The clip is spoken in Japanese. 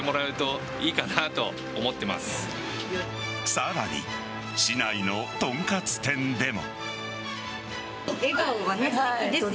さらに、市内のとんかつ店でも。